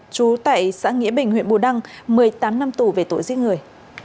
trú tại xã nghĩa bình huyện bù đăng một mươi tám năm tù về tội giết người